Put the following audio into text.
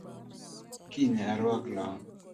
Kiny ne aruak long’